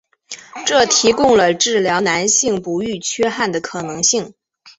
这提供了治疗男性不育缺憾的可能性。